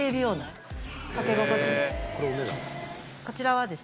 こちらは。